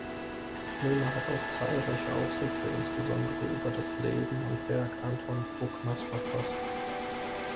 Müller hat auch zahlreiche Aufsätze, insbesondere über das Leben und Werk Anton Bruckners, verfasst.